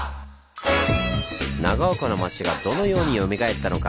長岡の町がどのようによみがえったのか。